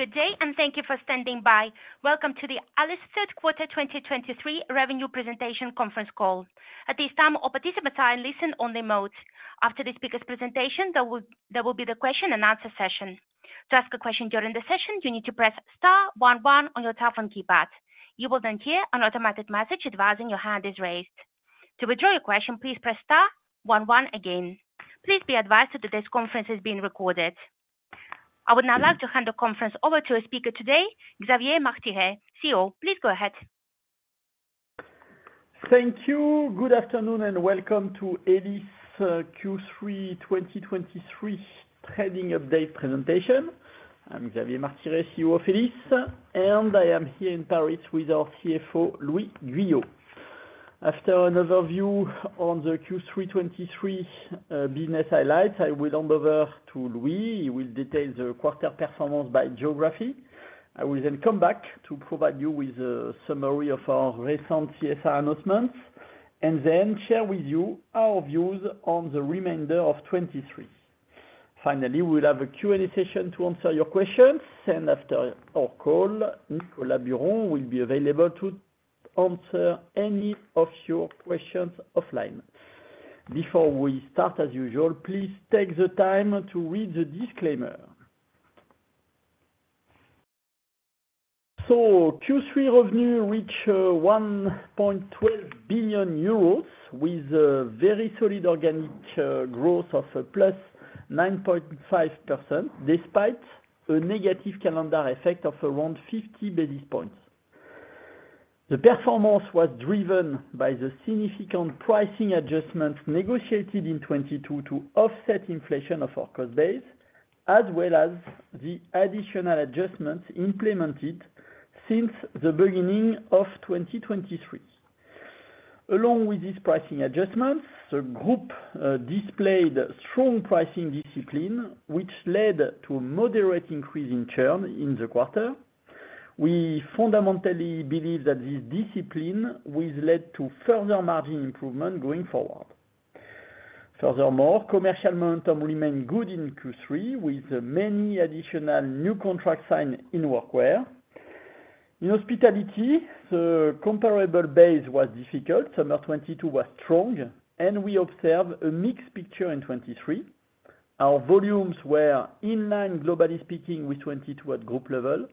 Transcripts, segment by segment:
Good day, and thank you for standing by. Welcome to the Elis Third Quarter 2023 Revenue Presentation conference call. At this time, all participants are in listen-only mode. After the speaker's presentation, there will be the question and answer session. To ask a question during the session, you need to press star one one on your telephone keypad. You will then hear an automatic message advising your hand is raised. To withdraw your question, please press star one one again. Please be advised that today's conference is being recorded. I would now like to hand the conference over to our speaker today, Xavier Martiré, CEO. Please go ahead. Thank you. Good afternoon, and welcome to Elis Q3 2023 trading update presentation. I'm Xavier Martiré, CEO of Elis, and I am here in Paris with our CFO, Louis Guyot. After an overview on the Q3 2023 business highlights, I will hand over to Louis. He will detail the quarter performance by geography. I will then come back to provide you with a summary of our recent CSR announcements, and then share with you our views on the remainder of 2023. Finally, we'll have a Q&A session to answer your questions, and after our call, Nicolas Buron will be available to answer any of your questions offline. Before we start, as usual, please take the time to read the disclaimer. So Q3 revenue reached 1.12 billion euros, with a very solid organic growth of +9.5%, despite a negative calendar effect of around 50 basis points. The performance was driven by the significant pricing adjustments negotiated in 2022 to offset inflation of our cost base, as well as the additional adjustments implemented since the beginning of 2023. Along with these pricing adjustments, the group displayed strong pricing discipline, which led to a moderate increase in churn in the quarter. We fundamentally believe that this discipline will lead to further margin improvement going forward. Furthermore, commercial momentum remained good in Q3, with many additional new contracts signed in workwear. In hospitality, the comparable base was difficult. Summer 2022 was strong, and we observed a mixed picture in 2023. Our volumes were in line, globally speaking, with 2022 at group level,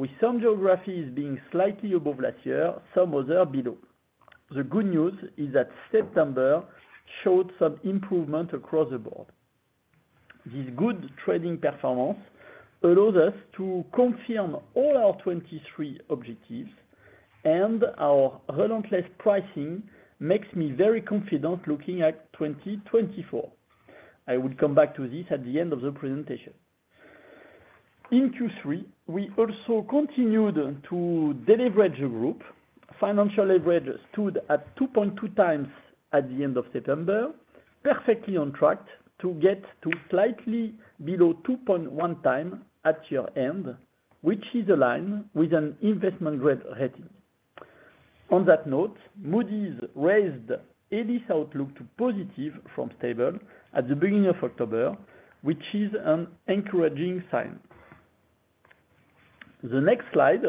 with some geographies being slightly above last year, some other below. The good news is that September showed some improvement across the board. This good trading performance allows us to confirm all our 2023 objectives, and our relentless pricing makes me very confident looking at 2024. I will come back to this at the end of the presentation. In Q3, we also continued to deleverage the group. Financial leverage stood at 2.2 times at the end of September, perfectly on track to get to slightly below 2.1 times at year-end, which is aligned with an investment-grade rating. On that note, Moody's raised Elis outlook to positive from stable at the beginning of October, which is an encouraging sign. The next slide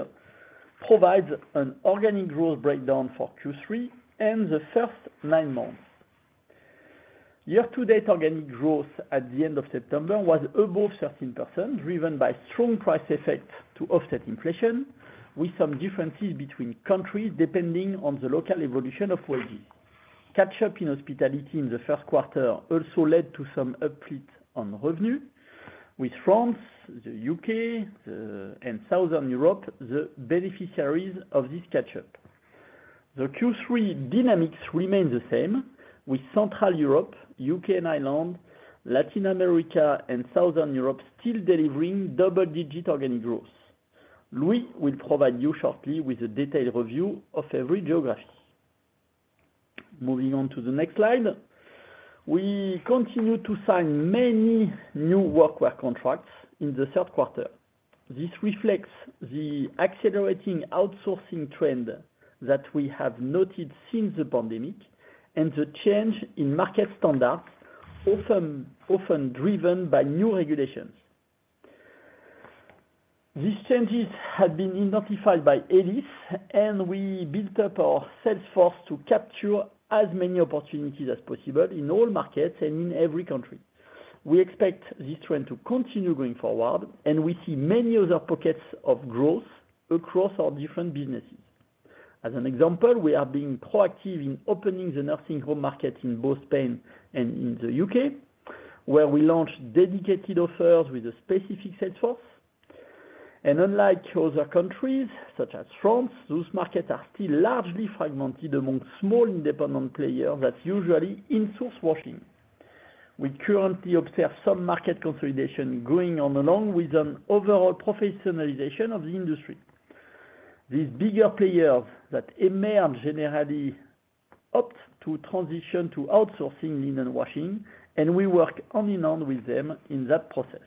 provides an organic growth breakdown for Q3 and the first nine months. Year-to-date organic growth at the end of September was above 13%, driven by strong price effects to offset inflation, with some differences between countries depending on the local evolution of wages. Catch-up in hospitality in the first quarter also led to some uplift on revenue with France, the U.K., the, and Southern Europe, the beneficiaries of this catch-up. The Q3 dynamics remain the same with Central Europe, U.K. and Ireland, Latin America and Southern Europe still delivering double-digit organic growth. Louis will provide you shortly with a detailed review of every geography. Moving on to the next slide. We continued to sign many new workwear contracts in the third quarter. This reflects the accelerating outsourcing trend that we have noted since the pandemic, and the change in market standards, often driven by new regulations. These changes had been identified by Elis, and we built up our sales force to capture as many opportunities as possible in all markets and in every country. We expect this trend to continue going forward, and we see many other pockets of growth across our different businesses. As an example, we are being proactive in opening the nursing home market in both Spain and in the UK, where we launched dedicated offers with a specific sales force. And unlike other countries, such as France, those markets are still largely fragmented among small, independent players that usually in-source washing. We currently observe some market consolidation going on, along with an overall professionalization of the industry. These bigger players that emerge generally opt to transition to outsourcing linen washing, and we work hand in hand with them in that process.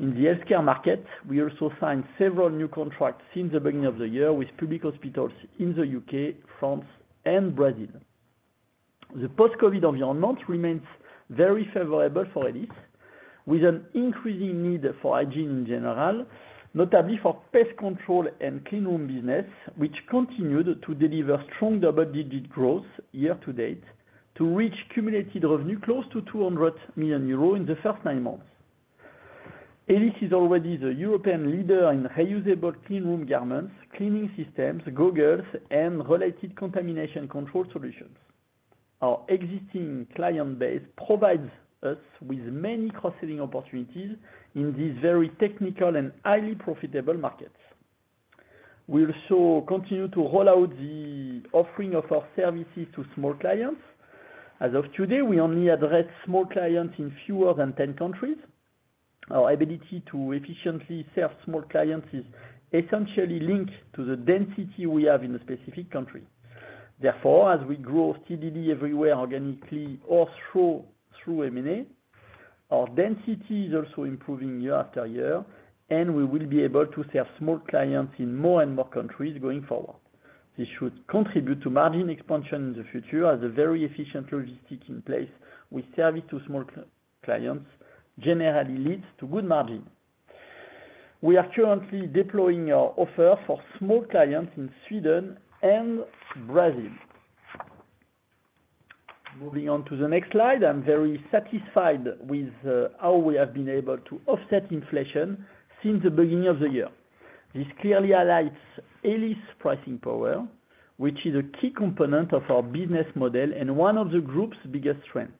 In the healthcare market, we also signed several new contracts since the beginning of the year with public hospitals in the U.K., France, and Brazil. The post-COVID environment remains very favorable for Elis, with an increasing need for hygiene in general, notably for pest control and clean room business, which continued to deliver strong double-digit growth year to date, to reach cumulated revenue close to 200 million euros in the first nine months. Elis is already the European leader in reusable clean room garments, cleaning systems, goggles, and related contamination control solutions. Our existing client base provides us with many cross-selling opportunities in these very technical and highly profitable markets. We also continue to roll out the offering of our services to small clients. As of today, we only address small clients in fewer than 10 countries. Our ability to efficiently serve small clients is essentially linked to the density we have in a specific country. Therefore, as we grow TDD everywhere, organically or through M&A, our density is also improving year after year, and we will be able to serve small clients in more and more countries going forward. This should contribute to margin expansion in the future as a very efficient logistic in place with service to small clients generally leads to good margin. We are currently deploying our offer for small clients in Sweden and Brazil. Moving on to the next slide, I'm very satisfied with how we have been able to offset inflation since the beginning of the year. This clearly highlights Elis' pricing power, which is a key component of our business model and one of the group's biggest strengths.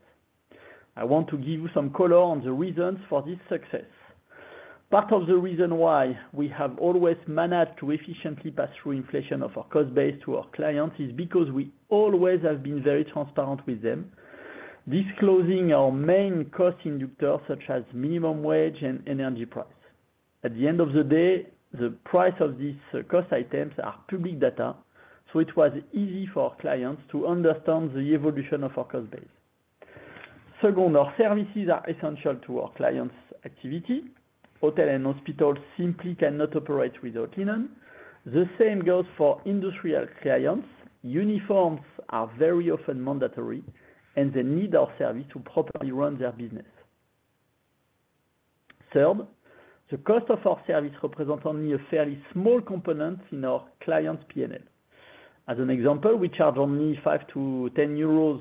I want to give you some color on the reasons for this success. Part of the reason why we have always managed to efficiently pass through inflation of our cost base to our clients, is because we always have been very transparent with them, disclosing our main cost indicators, such as minimum wage and energy price. At the end of the day, the price of these cost items are public data, so it was easy for our clients to understand the evolution of our cost base. Second, our services are essential to our clients' activity. Hotels and hospitals simply cannot operate without linen. The same goes for industrial clients. Uniforms are very often mandatory, and they need our service to properly run their business. Third, the cost of our service represents only a fairly small component in our clients' P&L. As an example, we charge only 5-10 euros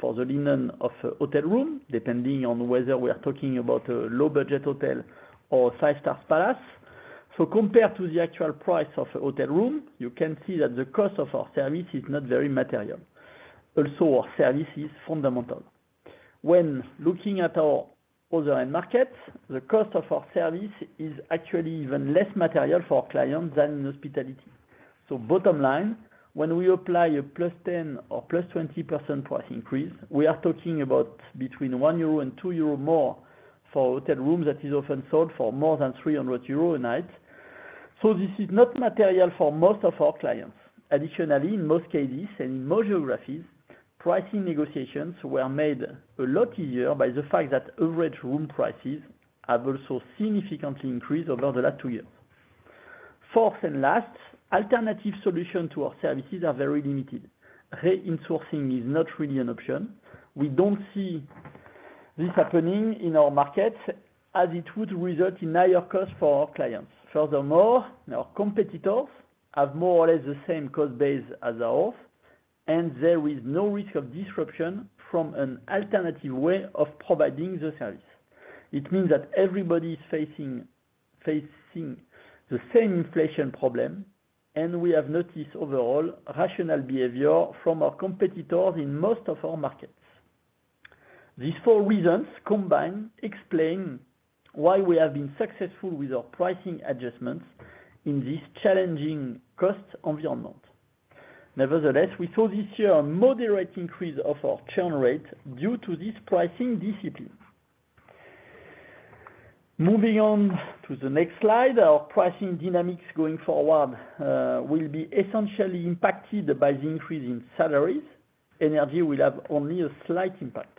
for the linen of a hotel room, depending on whether we are talking about a low-budget hotel or five-stars palace. Compared to the actual price of a hotel room, you can see that the cost of our service is not very material. Also, our service is fundamental. When looking at our other end markets, the cost of our service is actually even less material for our clients than in hospitality. Bottom line, when we apply a +10% or +20% price increase, we are talking about between 1 euro and 2 euro more for a hotel room that is often sold for more than 300 euro a night. This is not material for most of our clients. Additionally, in most cases and in more geographies, pricing negotiations were made a lot easier by the fact that average room prices have also significantly increased over the last two years. Fourth and last, alternative solution to our services are very limited. Re-insourcing is not really an option. We don't see this happening in our markets, as it would result in higher costs for our clients. Furthermore, our competitors have more or less the same cost base as ours, and there is no risk of disruption from an alternative way of providing the service. It means that everybody is facing the same inflation problem, and we have noticed overall rational behavior from our competitors in most of our markets. These four reasons combined explain why we have been successful with our pricing adjustments in this challenging cost environment. Nevertheless, we saw this year a moderate increase of our churn rate due to this pricing discipline. Moving on to the next slide, our pricing dynamics going forward will be essentially impacted by the increase in salaries. Energy will have only a slight impact.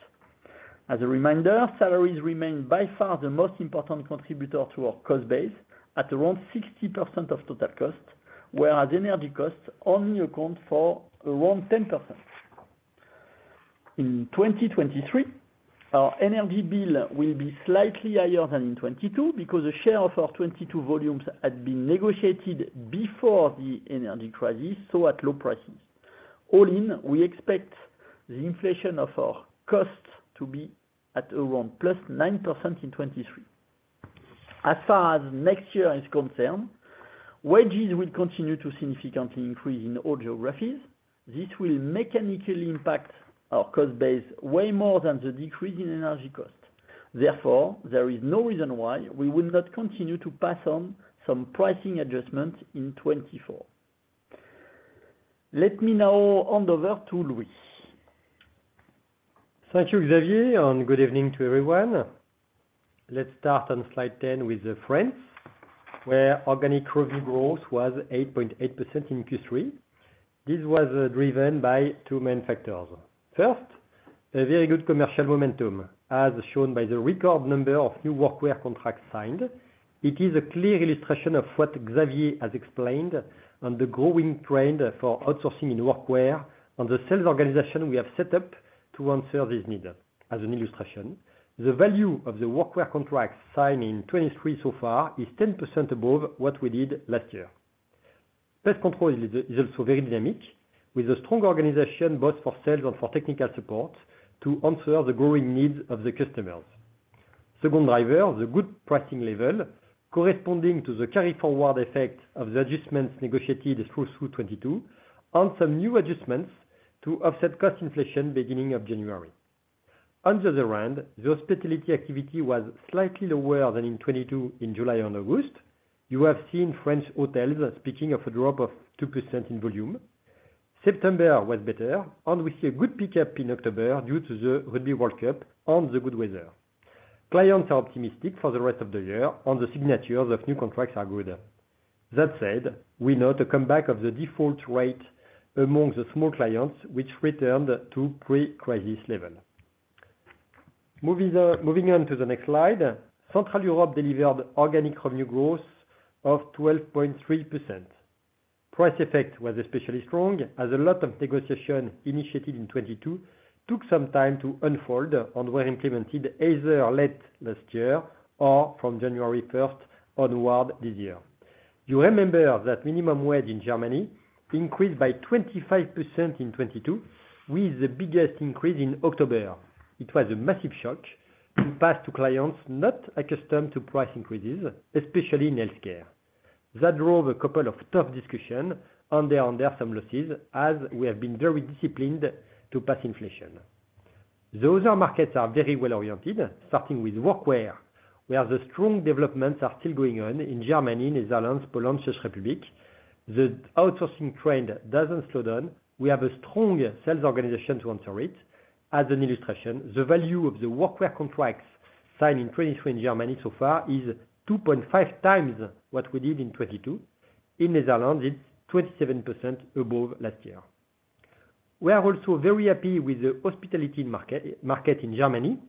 As a reminder, salaries remain by far the most important contributor to our cost base, at around 60% of total cost, whereas energy costs only account for around 10%. In 2023, our energy bill will be slightly higher than in 2022, because a share of our 2022 volumes had been negotiated before the energy crisis, so at low prices. All in, we expect the inflation of our costs to be at around +9% in 2023. As far as next year is concerned, wages will continue to significantly increase in all geographies. This will mechanically impact our cost base way more than the decrease in energy costs. Therefore, there is no reason why we will not continue to pass on some pricing adjustments in 2024. Let me now hand over to Louis. Thank you, Xavier, and good evening to everyone. Let's start on slide 10 with France, where organic revenue growth was 8.8% in Q3. This was driven by two main factors. First, a very good commercial momentum, as shown by the record number of new workwear contracts signed. It is a clear illustration of what Xavier has explained on the growing trend for outsourcing in workwear, on the sales organization we have set up to answer this need. As an illustration, the value of the workwear contracts signed in 2023 so far is 10% above what we did last year. Pest control is also very dynamic, with a strong organization, both for sales and for technical support, to answer the growing needs of the customers. Second driver, the good pricing level corresponding to the carry-forward effect of the adjustments negotiated through 2022 and some new adjustments to offset cost inflation, beginning of January. On the other hand, the hospitality activity was slightly lower than in 2022 in July and August. You have seen French hotels speaking of a drop of 2% in volume. September was better, and we see a good pickup in October due to the Rugby World Cup and the good weather. Clients are optimistic for the rest of the year, and the signatures of new contracts are good. That said, we note a comeback of the default rate among the small clients, which returned to pre-crisis level. Moving on to the next slide. Central Europe delivered organic revenue growth of 12.3%. Price effect was especially strong, as a lot of negotiation initiated in 2022 took some time to unfold and were implemented either late last year or from January 1 onward this year. You remember that minimum wage in Germany increased by 25% in 2022, with the biggest increase in October. It was a massive shock to pass to clients not accustomed to price increases, especially in healthcare. That drove a couple of tough discussion, and there are some losses as we have been very disciplined to pass inflation. The other markets are very well-oriented, starting with workwear, where the strong developments are still going on in Germany, Netherlands, Poland, Czech Republic. The outsourcing trend doesn't slow down. We have a strong sales organization to answer it. As an illustration, the value of the workwear contracts signed in 2023 in Germany so far is 2.5 times what we did in 2022. In Netherlands, it's 27% above last year. We are also very happy with the hospitality market, market in Germany.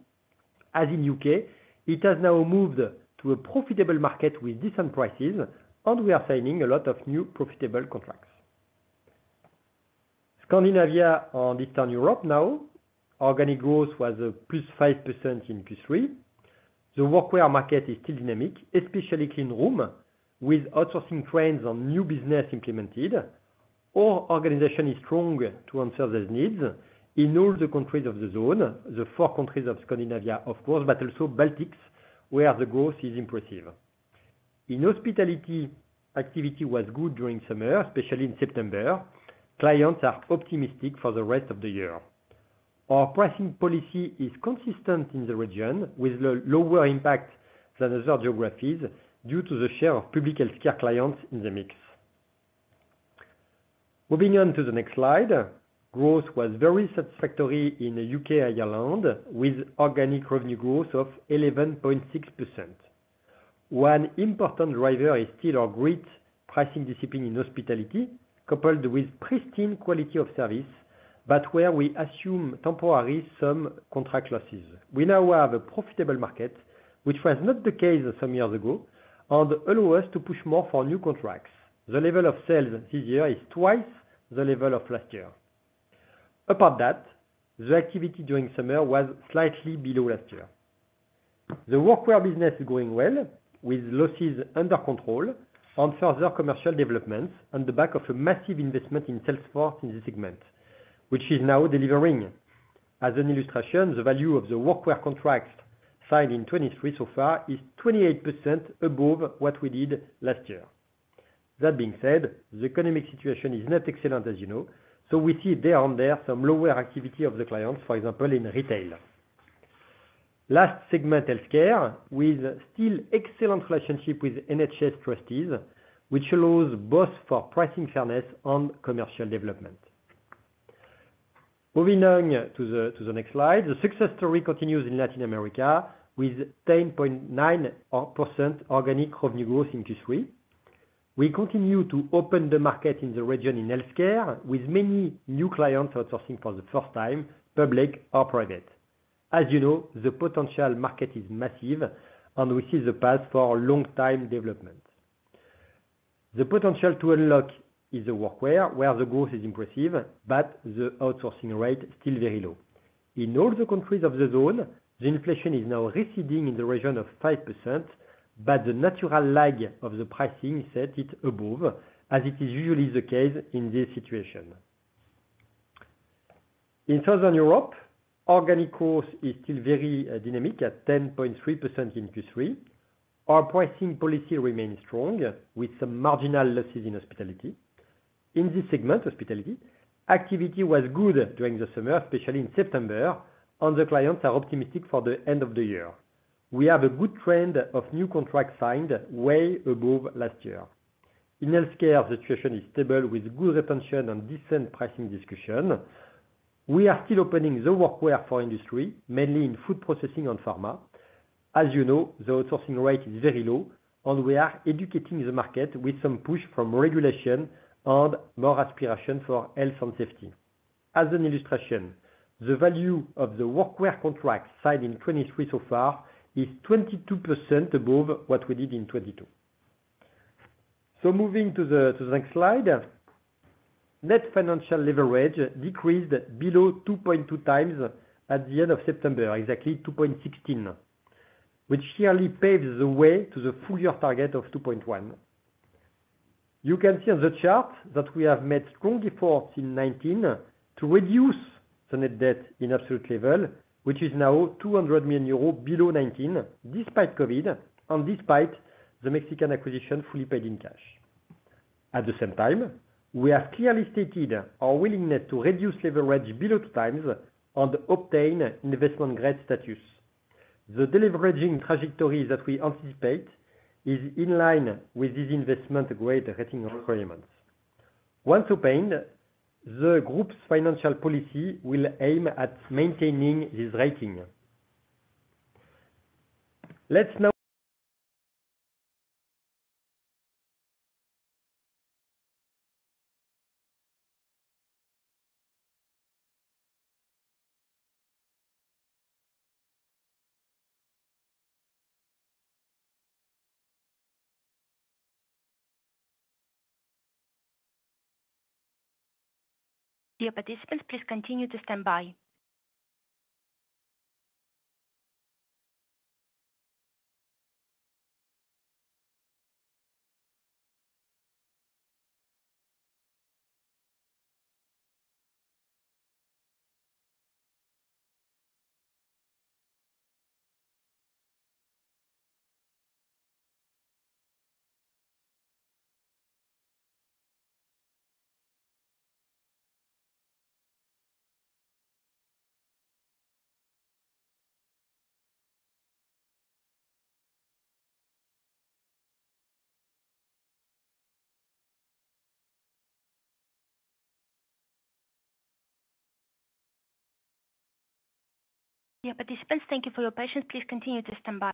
As in U.K., it has now moved to a profitable market with decent prices, and we are signing a lot of new profitable contracts. Scandinavia and Eastern Europe now. Organic growth was +5% in Q3. The workwear market is still dynamic, especially clean room, with outsourcing trends on new business implemented. Our organization is strong to answer those needs in all the countries of the zone, the four countries of Scandinavia, of course, but also Baltics, where the growth is impressive. In hospitality, activity was good during summer, especially in September. Clients are optimistic for the rest of the year. Our pricing policy is consistent in the region, with lower impact than other geographies, due to the share of public healthcare clients in the mix. Moving on to the next slide. Growth was very satisfactory in the UK, Ireland, with organic revenue growth of 11.6%. One important driver is still our great pricing discipline in hospitality, coupled with pristine quality of service, but where we assume temporary some contract losses. We now have a profitable market, which was not the case some years ago, and allow us to push more for new contracts. The level of sales this year is twice the level of last year. Apart that, the activity during summer was slightly below last year. The workwear business is going well, with losses under control and further commercial developments on the back of a massive investment in sales force in this segment, which is now delivering. As an illustration, the value of the workwear contracts signed in 2023 so far is 28% above what we did last year. That being said, the economic situation is not excellent, as you know, so we see there on there some lower activity of the clients, for example, in retail. Last segment, healthcare, with still excellent relationship with NHS Trusts, which allows both for pricing fairness and commercial development. Moving on to the next slide. The success story continues in Latin America with 10.9% organic revenue growth in Q3. We continue to open the market in the region in healthcare, with many new clients outsourcing for the first time, public or private. As you know, the potential market is massive, and we see the path for long time development. The potential to unlock is the workwear, where the growth is impressive, but the outsourcing rate is still very low. In all the countries of the zone, the inflation is now receding in the region of 5%, but the natural lag of the pricing set it above, as it is usually the case in this situation. In Southern Europe, organic growth is still very dynamic, at 10.3% in Q3. Our pricing policy remains strong, with some marginal losses in hospitality. In this segment, hospitality, activity was good during the summer, especially in September, and the clients are optimistic for the end of the year. We have a good trend of new contracts signed, way above last year. In healthcare, the situation is stable, with good retention and decent pricing discussion. We are still opening the workwear for industry, mainly in food processing and pharma, as you know, the outsourcing rate is very low, and we are educating the market with some push from regulation and more aspiration for health and safety. As an illustration, the value of the workwear contract signed in 2023 so far is 22% above what we did in 2022. So moving to the next slide. Net financial leverage decreased below 2.2x at the end of September, exactly 2.16, which clearly paves the way to the full year target of 2.1. You can see on the chart that we have made strong efforts in 2019 to reduce the net debt in absolute level, which is now 200 million euros below 2019, despite COVID, and despite the Mexican acquisition fully paid in cash. At the same time, we have clearly stated our willingness to reduce leverage below 2x and obtain investment grade status. The deleveraging trajectory that we anticipate is in line with this investment grade rating requirements. Once obtained, the group's financial policy will aim at maintaining this rating. Let's now- Dear participants, please continue to stand by. Dear participants, thank you for your patience. Please continue to stand by.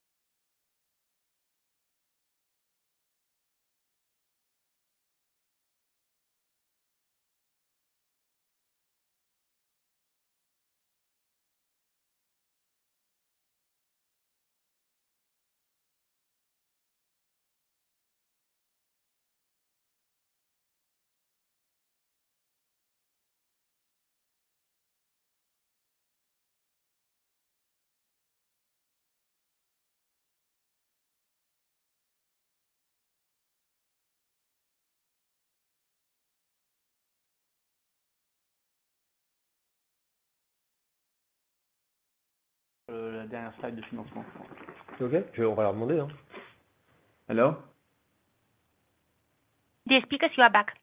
Okay. Hello? Dear speakers, you are back.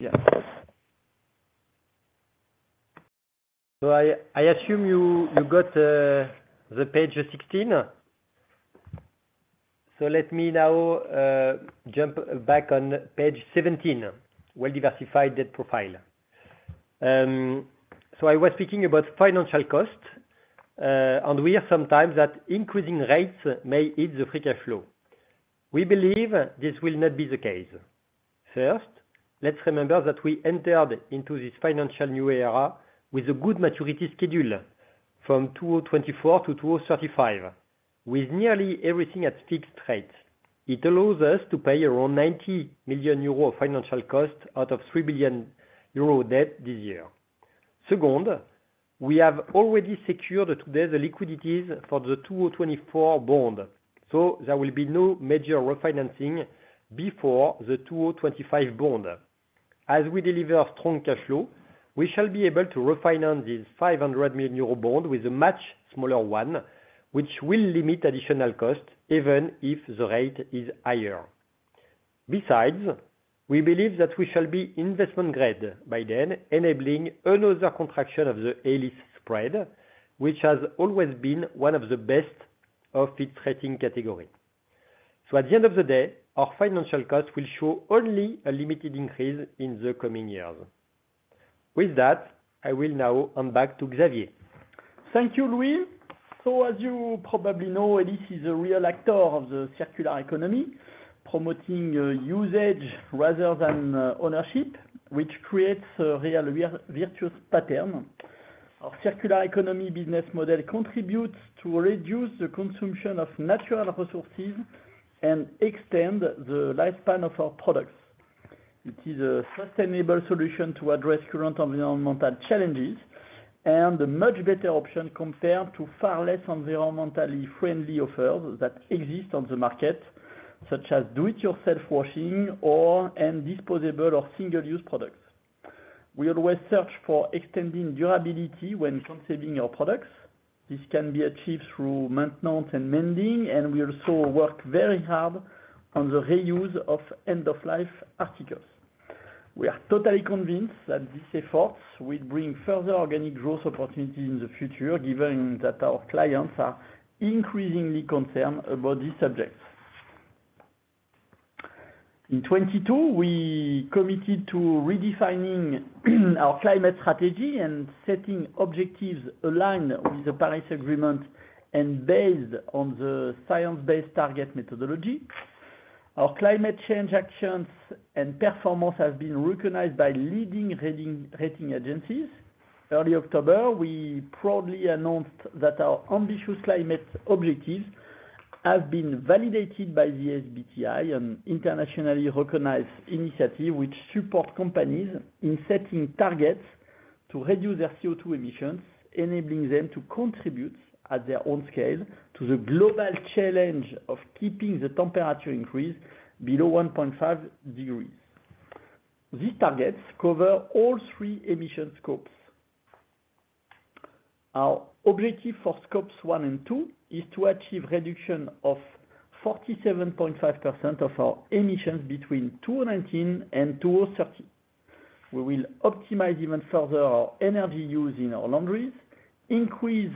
Yeah. So I assume you got the page 16. So let me now jump back on page 17, well diversified debt profile. So I was speaking about financial costs, and we have sometimes that increasing rates may hit the free cash flow. We believe this will not be the case. First, let's remember that we entered into this financial new era with a good maturity schedule from 2024 to 2035, with nearly everything at fixed rates. It allows us to pay around 90 million euro financial cost out of 3 billion euro debt this year. Second, we have already secured today the liquidities for the 2024 bond, so there will be no major refinancing before the 2025 bond. As we deliver strong cash flow, we shall be able to refinance this 500 million euro bond with a much smaller one, which will limit additional costs even if the rate is higher. Besides, we believe that we shall be investment grade by then, enabling another contraction of the Elis spread, which has always been one of the best of its rating category. So at the end of the day, our financial cost will show only a limited increase in the coming years. With that, I will now hand back to Xavier. Thank you, Louis. So as you probably know, this is a real actor of the circular economy, promoting usage rather than ownership, which creates a real virtuous pattern. Our circular economy business model contributes to reduce the consumption of natural resources and extend the lifespan of our products. It is a sustainable solution to address current environmental challenges, and a much better option compared to far less environmentally friendly offers that exist on the market, such as do-it-yourself washing, and disposable or single-use products. We always search for extending durability when considering our products. This can be achieved through maintenance and mending, and we also work very hard on the reuse of end-of-life articles. We are totally convinced that these efforts will bring further organic growth opportunities in the future, given that our clients are increasingly concerned about these subjects.... In 2022, we committed to redefining our climate strategy and setting objectives aligned with the Paris Agreement and based on the science-based target methodology. Our climate change actions and performance have been recognized by leading rating agencies. Early October, we proudly announced that our ambitious climate objectives have been validated by the SBTi, an internationally recognized initiative which support companies in setting targets to reduce their CO₂ emissions, enabling them to contribute at their own scale to the global challenge of keeping the temperature increase below 1.5 degrees. These targets cover all three emission scopes. Our objective for Scope 1 and 2 is to achieve reduction of 47.5% of our emissions between 2019 and 2030. We will optimize even further our energy use in our laundries, increase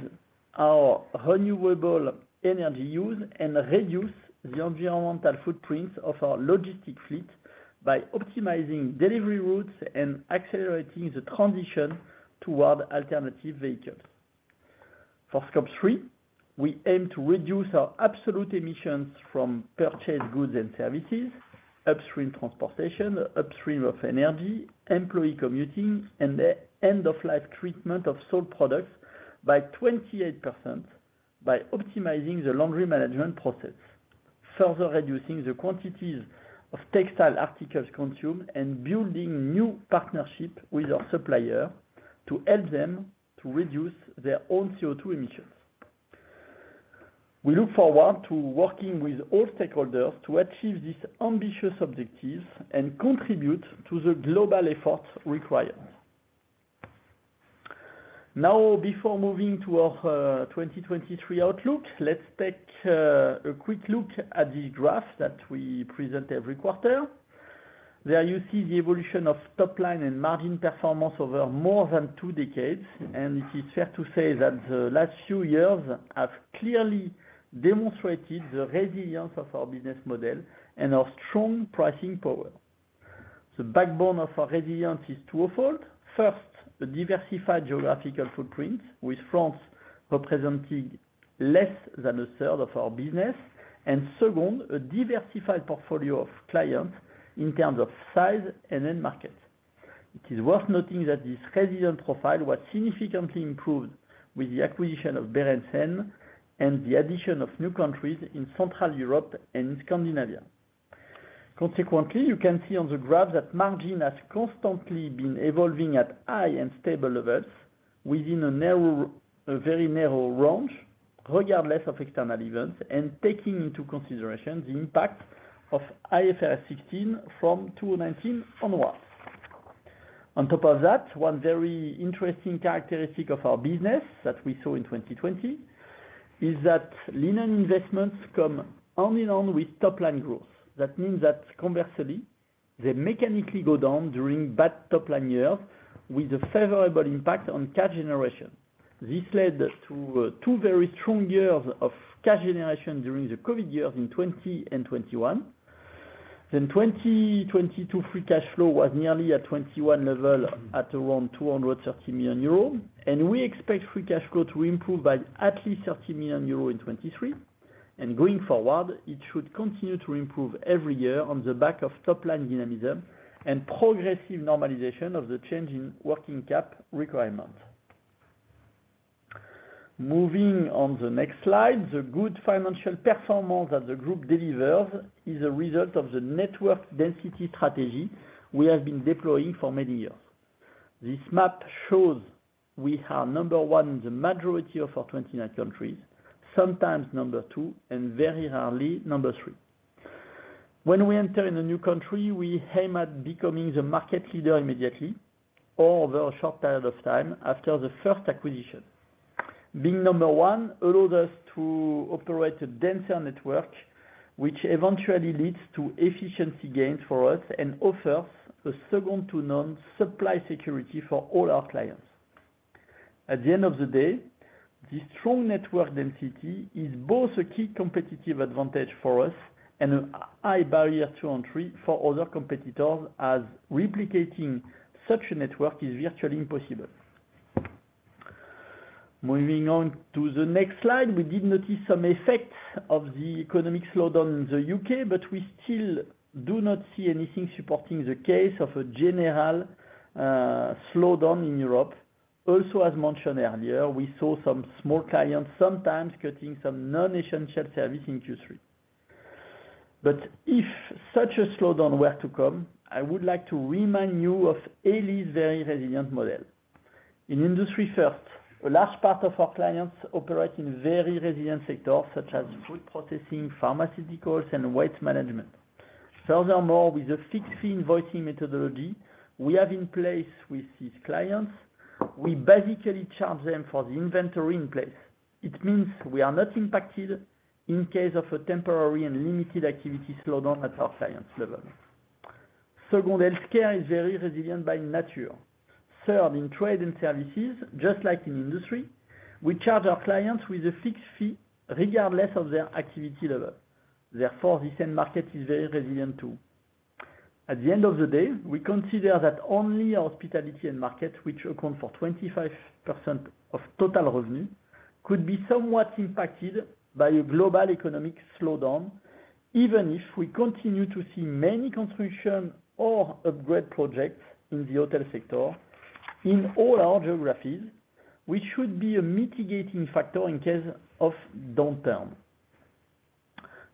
our renewable energy use, and reduce the environmental footprints of our logistic fleet by optimizing delivery routes and accelerating the transition toward alternative vehicles. For Scope 3, we aim to reduce our absolute emissions from purchased goods and services, upstream transportation, upstream of energy, employee commuting, and the end-of-life treatment of sold products by 28%, by optimizing the laundry management process, further reducing the quantities of textile articles consumed, and building new partnership with our supplier to help them to reduce their own CO₂ emissions. We look forward to working with all stakeholders to achieve these ambitious objectives and contribute to the global effort required. Now, before moving to our 2023 outlook, let's take a quick look at the graph that we present every quarter. There you see the evolution of top line and margin performance over more than two decades, and it is fair to say that the last few years have clearly demonstrated the resilience of our business model and our strong pricing power. The backbone of our resilience is twofold. First, a diversified geographical footprint, with France representing less than a third of our business, and second, a diversified portfolio of clients in terms of size and end market. It is worth noting that this resilient profile was significantly improved with the acquisition of Berendsen and the addition of new countries in Central Europe and Scandinavia. Consequently, you can see on the graph that margin has constantly been evolving at high and stable levels within a narrow, a very narrow range, regardless of external events, and taking into consideration the impact of IFRS 16 from 2019 onwards. On top of that, one very interesting characteristic of our business that we saw in 2020, is that linen investments come hand in hand with top line growth. That means that conversely, they mechanically go down during bad top line years, with a favorable impact on cash generation. This led to two very strong years of cash generation during the COVID years in 2020 and 2021. Then 2022 free cash flow was nearly at 2021 level, at around 230 million euro. And we expect free cash flow to improve by at least 30 million euro in 2023, and going forward, it should continue to improve every year on the back of top line dynamism and progressive normalization of the change in working cap requirement. Moving on the next slide, the good financial performance that the group delivers is a result of the network density strategy we have been deploying for many years. This map shows we are number 1 in the majority of our 29 countries, sometimes number 2, and very rarely number 3. When we enter in a new country, we aim at becoming the market leader immediately, or over a short period of time after the first acquisition. Being number 1 allows us to operate a denser network, which eventually leads to efficiency gains for us and offers a second-to-none supply security for all our clients. At the end of the day, this strong network density is both a key competitive advantage for us and a high barrier to entry for other competitors, as replicating such a network is virtually impossible. Moving on to the next slide, we did notice some effects of the economic slowdown in the UK, but we still do not see anything supporting the case of a general slowdown in Europe. Also, as mentioned earlier, we saw some small clients, sometimes cutting some non-essential service in Q3. But if such a slowdown were to come, I would like to remind you of Elis's very resilient model. In industry first, a large part of our clients operate in very resilient sectors such as food processing, pharmaceuticals, and waste management. Furthermore, with the fixed-fee invoicing methodology we have in place with these clients, we basically charge them for the inventory in place. It means we are not impacted in case of a temporary and limited activity slowdown at our clients level. Second, healthcare is very resilient by nature. Third, in trade and services, just like in industry, we charge our clients with a fixed fee regardless of their activity level. Therefore, this end market is very resilient, too. At the end of the day, we consider that only hospitality end market, which account for 25% of total revenue, could be somewhat impacted by a global economic slowdown, even if we continue to see many construction or upgrade projects in the hotel sector in all our geographies, which should be a mitigating factor in case of downturn.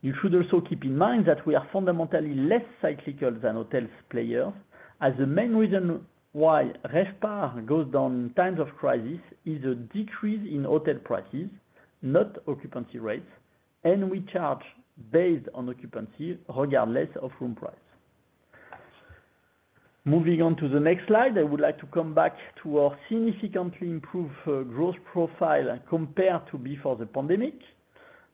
You should also keep in mind that we are fundamentally less cyclical than hotels players, as the main reason why RevPAR goes down in times of crisis is a decrease in hotel prices, not occupancy rates, and we charge based on occupancy, regardless of room price. Moving on to the next slide, I would like to come back to our significantly improved growth profile compared to before the pandemic.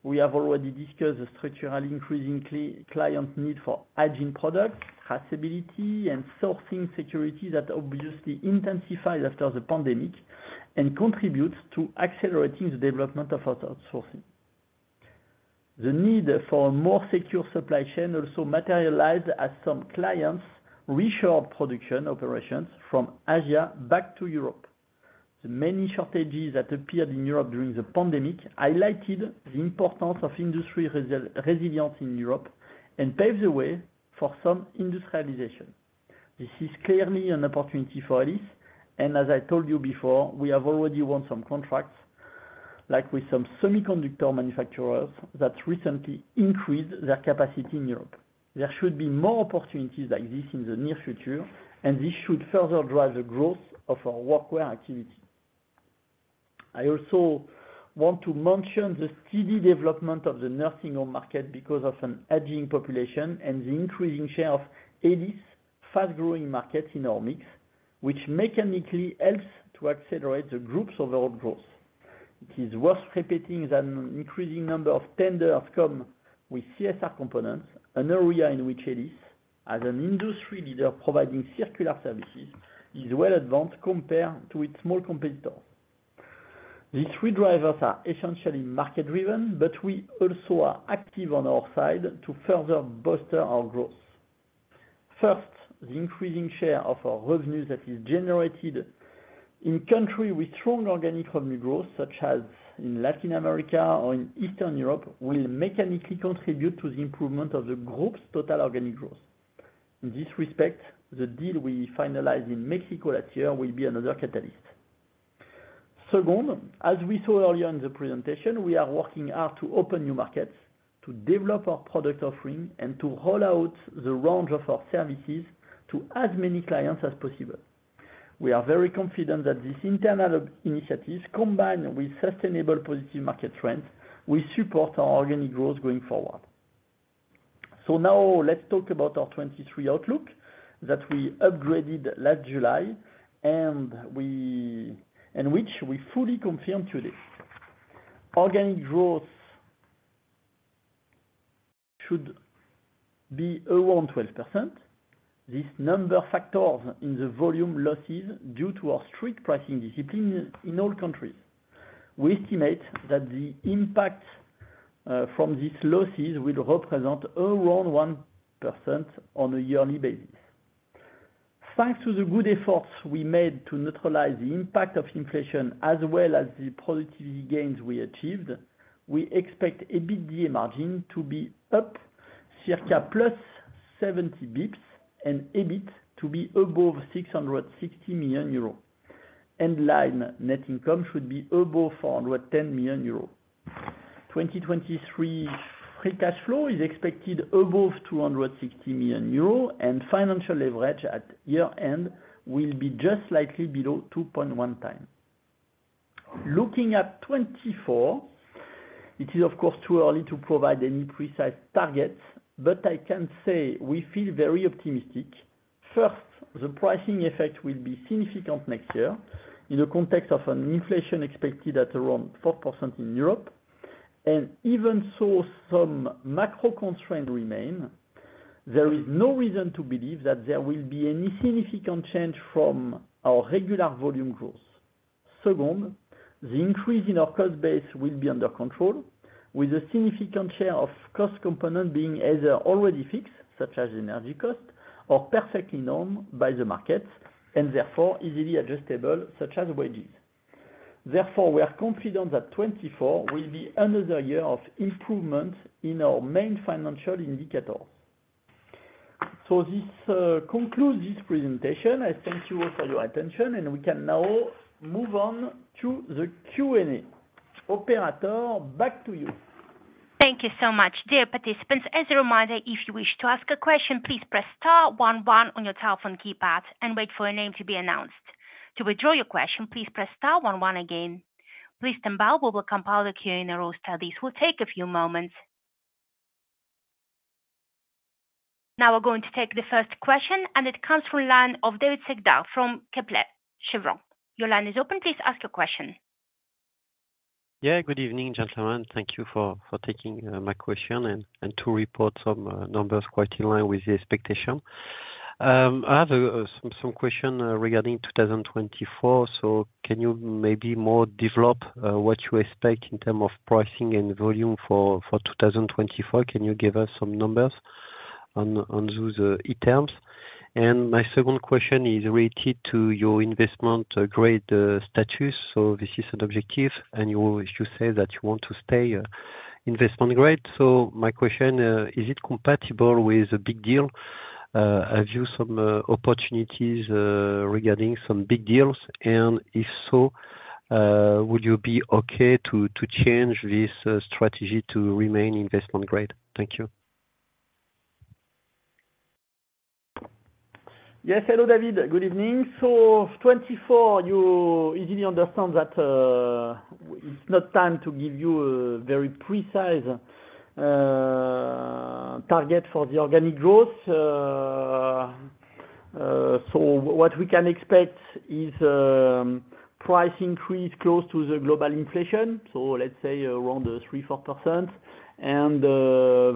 We have already discussed the structural increasing client need for hygiene products, traceability and sourcing security that obviously intensified after the pandemic, and contributes to accelerating the development of our outsourcing. The need for a more secure supply chain also materialized as some clients reshored production operations from Asia back to Europe. The many shortages that appeared in Europe during the pandemic highlighted the importance of industry resilience in Europe and paved the way for some industrialization. This is clearly an opportunity for Elis, and as I told you before, we have already won some contracts, like with some semiconductor manufacturers that recently increased their capacity in Europe. There should be more opportunities like this in the near future, and this should further drive the growth of our workwear activity. I also want to mention the steady development of the nursing home market because of an aging population and the increasing share of Elis' fast-growing market in our mix, which mechanically helps to accelerate the group's overall growth. It is worth repeating that an increasing number of tenders come with CSR components, an area in which Elis, as an industry leader providing circular services, is well advanced compared to its small competitors. These three drivers are essentially market-driven, but we also are active on our side to further bolster our growth. First, the increasing share of our revenues that is generated in countries with strong organic revenue growth, such as in Latin America or in Eastern Europe, will mechanically contribute to the improvement of the group's total organic growth. In this respect, the deal we finalized in Mexico last year will be another catalyst. Second, as we saw earlier in the presentation, we are working hard to open new markets, to develop our product offering, and to roll out the range of our services to as many clients as possible. We are very confident that this internal initiative, combined with sustainable positive market trends, will support our organic growth going forward. So now let's talk about our 2023 outlook that we upgraded last July, and which we fully confirm today. Organic growth should be around 12%. This number factors in the volume losses due to our strict pricing discipline in all countries. We estimate that the impact from these losses will represent around 1% on a yearly basis. Thanks to the good efforts we made to neutralize the impact of inflation, as well as the productivity gains we achieved, we expect EBITDA margin to be up circa +70 basis points and EBIT to be above 660 million euro, and headline net income should be above 410 million euro. 2023 free cash flow is expected above 260 million euro, and financial leverage at year-end will be just slightly below 2.1x. Looking at 2024, it is, of course, too early to provide any precise targets, but I can say we feel very optimistic. First, the pricing effect will be significant next year in the context of an inflation expected at around 4% in Europe. Even so, some macro constraints remain. There is no reason to believe that there will be any significant change from our regular volume growth. Second, the increase in our cost base will be under control, with a significant share of cost component being either already fixed, such as energy cost, or perfectly known by the market, and therefore easily adjustable, such as wages. Therefore, we are confident that 2024 will be another year of improvement in our main financial indicators. This concludes this presentation. I thank you all for your attention, and we can now move on to the Q&A. Operator, back to you. Thank you so much. Dear participants, as a reminder, if you wish to ask a question, please press star one one on your telephone keypad and wait for your name to be announced. To withdraw your question, please press star one one again. Please stand by. We will compile the Q&A roster. This will take a few moments. Now we're going to take the first question, and it comes from line of David Cerdan from Kepler Cheuvreux. Your line is open. Please ask your question. Yeah, good evening, gentlemen. Thank you for taking my question and to report some numbers quite in line with the expectation. I have some question regarding 2024. So can you maybe more develop what you expect in term of pricing and volume for 2024? Can you give us some numbers on those items? And my second question is related to your investment grade status. So this is an objective, and you always say that you want to stay investment grade. So my question is it compatible with a big deal? Have you some opportunities regarding some big deals, and if so, would you be okay to change this strategy to remain investment grade? Thank you. Yes. Hello, David. Good evening. So 2024, you easily understand that it's not time to give you a very precise target for the organic growth. So what we can expect is price increase close to the global inflation. So let's say around 3%-4%. And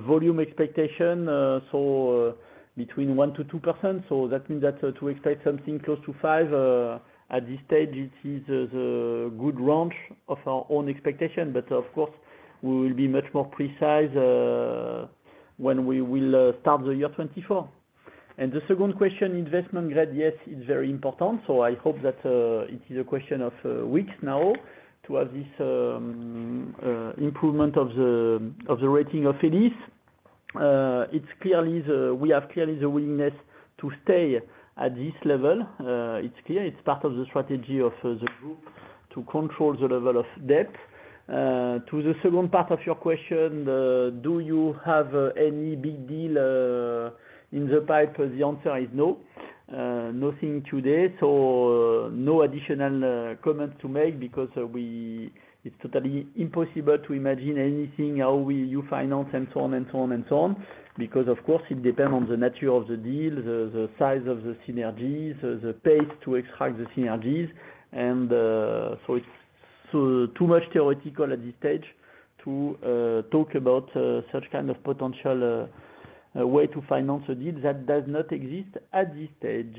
volume expectation so between 1%-2%. So that means that to expect something close to 5% at this stage, it is the good range of our own expectation. But of course, we will be much more precise when we will start the year 2024. And the second question, investment grade. Yes, it's very important, so I hope that it is a question of weeks now to have this improvement of the rating of Elis. It's clearly the. We have clearly the willingness to stay at this level. It's clear it's part of the strategy of the group to control the level of debt. To the second part of your question, do you have any big deal in the pipeline? The answer is no. Nothing today, so no additional comments to make because it's totally impossible to imagine anything, how we you finance and so on and so on and so on. Because of course, it depends on the nature of the deal, the size of the synergies, the pace to extract the synergies. And so it's so too much theoretical at this stage to talk about such kind of potential way to finance a deal that does not exist at this stage.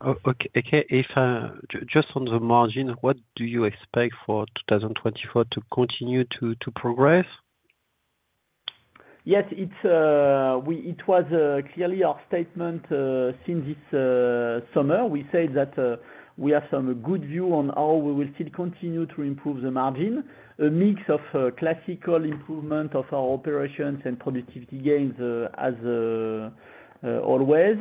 Okay, okay. If just on the margin, what do you expect for 2024 to continue to progress? It was clearly our statement since this summer. We said that we have some good view on how we will still continue to improve the margin. A mix of classical improvement of our operations and productivity gains as always.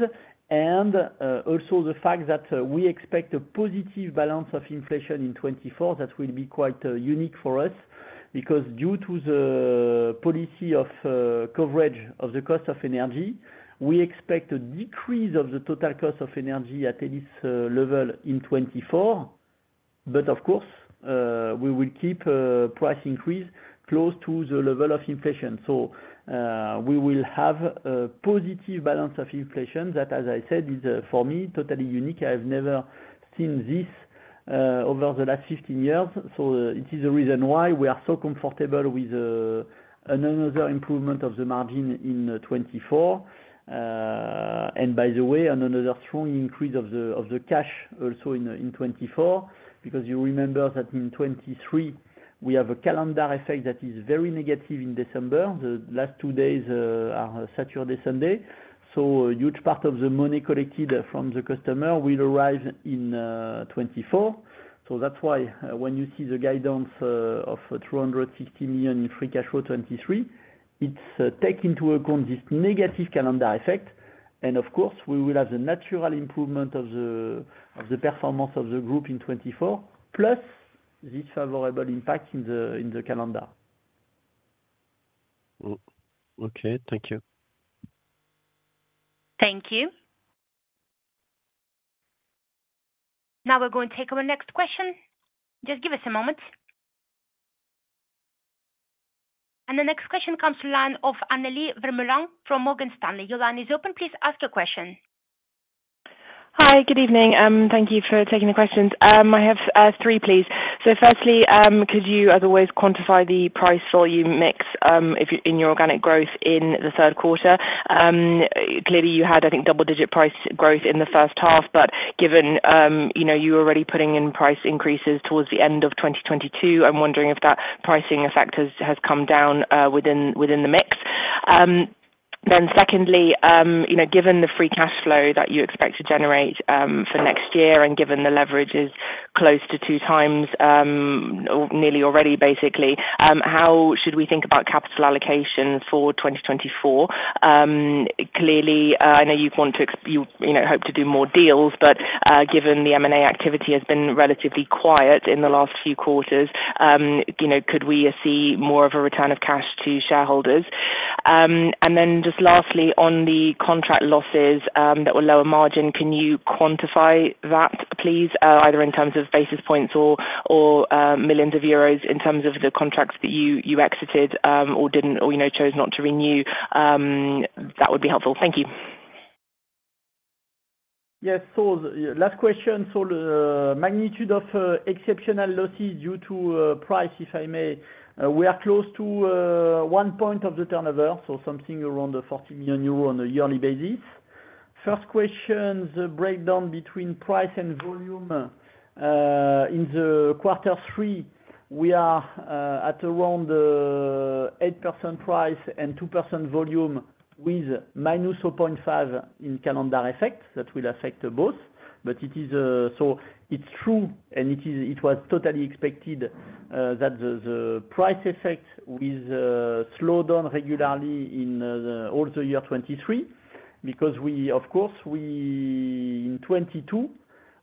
Also the fact that we expect a positive balance of inflation in 2024, that will be quite unique for us. Because due to the policy of coverage of the cost of energy, we expect a decrease of the total cost of energy at least level in 2024. But of course, we will keep price increase close to the level of inflation. So, we will have a positive balance of inflation that, as I said, is for me, totally unique. I have never seen this over the last 15 years. It is the reason why we are so comfortable with another improvement of the margin in 2024. By the way, another strong increase of the cash also in 2024, because you remember that in 2023 we have a calendar effect that is very negative in December. The last two days are Saturday, Sunday, so a huge part of the money collected from the customer will arrive in 2024. That's why, when you see the guidance of 360 million in free cash flow, 2023, it takes into account this negative calendar effect. Of course, we will have the natural improvement of the performance of the group in 2024, plus this favorable impact in the calendar. Oh, okay. Thank you. Thank you. Now we're going to take our next question. Just give us a moment. The next question comes from the line of Annelies Vermeulen from Morgan Stanley. Your line is open, please ask your question. Hi, good evening, thank you for taking the questions. I have 3, please. So firstly, could you, as always, quantify the price volume mix, if in your organic growth in the third quarter? Clearly you had, I think, double-digit price growth in the first half, but given, you know, you were already putting in price increases towards the end of 2022, I'm wondering if that pricing effect has come down within the mix. Then secondly, you know, given the free cash flow that you expect to generate for next year, and given the leverage is close to 2x or nearly already, basically, how should we think about capital allocation for 2024? Clearly, I know you want to, you know, hope to do more deals, but given the M&A activity has been relatively quiet in the last few quarters, you know, could we see more of a return of cash to shareholders? And then just lastly, on the contract losses that were lower margin, can you quantify that, please? Either in terms of basis points or millions of euros in terms of the contracts that you exited or didn't or, you know, chose not to renew, that would be helpful. Thank you.... Yes, so the last question, so the magnitude of exceptional losses due to price, if I may. We are close to 1 point of the turnover, so something around the 40 million euro on a yearly basis. First question, the breakdown between price and volume, in quarter three, we are at around 8% price and 2% volume with minus 0.5 in calendar effect. That will affect both, but it is so it's true, and it was totally expected that the price effect will slow down regularly in the all the year 2023. Because we, of course,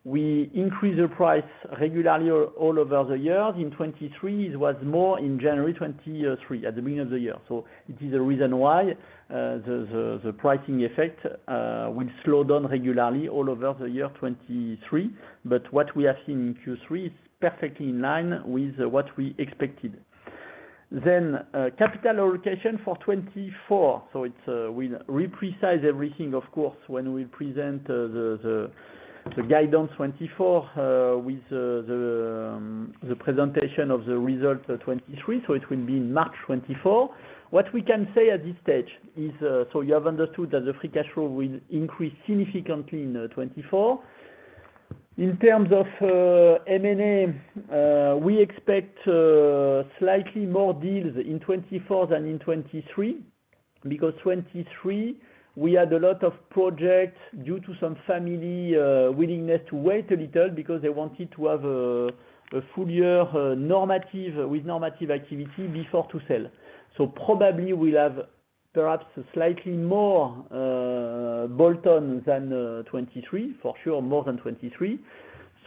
we in 2022, we increased the price regularly all over the year. In 2023, it was more in January 2023, at the beginning of the year. It is the reason why the pricing effect will slow down regularly all over the year 2023. But what we have seen in Q3 is perfectly in line with what we expected. Then, capital allocation for 2024. So it's we'll re-precise everything, of course, when we present the guidance 2024 with the presentation of the results of 2023, so it will be March 2024. What we can say at this stage is, so you have understood that the free cash flow will increase significantly in 2024. In terms of M&A, we expect slightly more deals in 2024 than in 2023, because 2023, we had a lot of projects due to some family willingness to wait a little, because they wanted to have a full year normative, with normative activity before to sell. So probably we'll have perhaps slightly more bolt-on than 2023. For sure, more than 2023.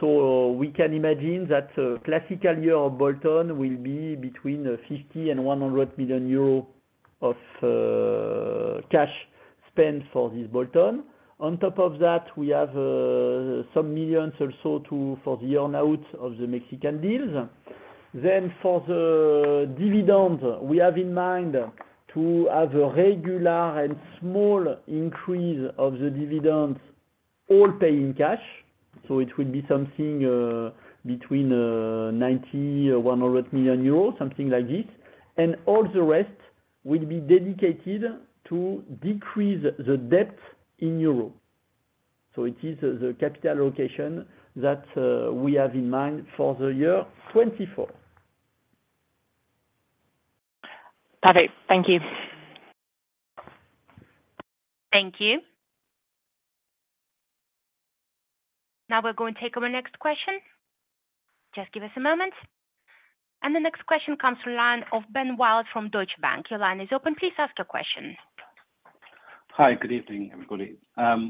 So we can imagine that a classical year of bolt-on will be between 50 million and 100 million euros of cash spent for this bolt-on. On top of that, we have some millions also to, for the earn-out of the Mexican deals. Then for the dividend, we have in mind to have a regular and small increase of the dividends, all paid in cash, so it will be something between 90-100 million euros, something like this. And all the rest will be dedicated to decrease the debt in euro. So it is the capital allocation that we have in mind for the year 2024. Perfect. Thank you. Thank you. Now we're going to take our next question. Just give us a moment. The next question comes from line of Ben Wild from Deutsche Bank. Your line is open, please ask your question. Hi, good evening, everybody.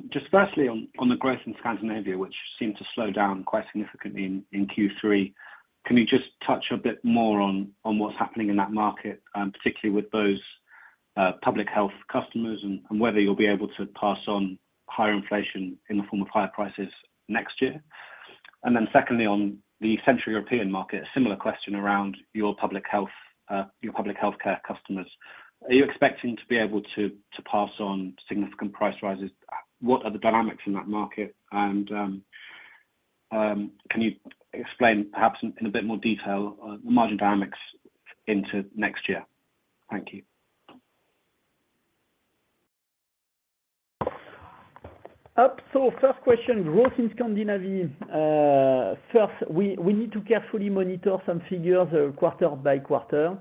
Just firstly, on the growth in Scandinavia, which seemed to slow down quite significantly in Q3, can you just touch a bit more on what's happening in that market, particularly with those public health customers and whether you'll be able to pass on higher inflation in the form of higher prices next year? And then secondly, on the Central European market, a similar question around your public health, your public healthcare customers. Are you expecting to be able to pass on significant price rises? What are the dynamics in that market? And can you explain perhaps in a bit more detail the margin dynamics into next year? Thank you. So first question, growth in Scandinavia. First, we need to carefully monitor some figures, quarter by quarter.